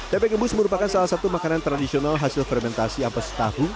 tempe gembus merupakan salah satu makanan tradisional hasil fermentasi ampas tahu